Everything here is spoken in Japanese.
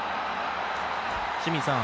清水さん